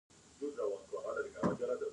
ایا ستاسو سترګې به ټیټې نه وي؟